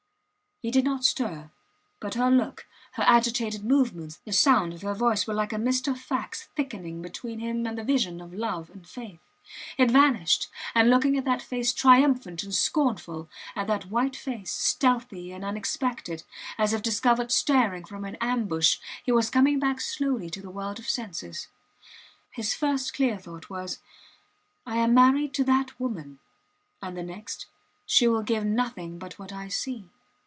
He did not stir; but her look, her agitated movements, the sound of her voice were like a mist of facts thickening between him and the vision of love and faith. It vanished; and looking at that face triumphant and scornful, at that white face, stealthy and unexpected, as if discovered staring from an ambush, he was coming back slowly to the world of senses. His first clear thought was: I am married to that woman; and the next: she will give nothing but what I see.